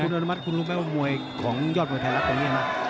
นี่คุณผมรู้ไหมว่ารายสมุยของยอดมวยไทยรัฐตรงนี้นะ